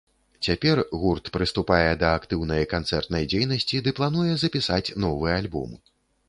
Цяпер гурт прыступае да актыўнай канцэртнай дзейнасці ды плануе запісаць новы альбом.